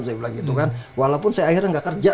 saya bilang gitu kan walaupun saya akhirnya nggak kerja